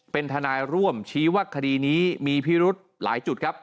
เป็นทนายร่วมชี้ว่าคดีนี้มีพิรุธหลายจุดครับ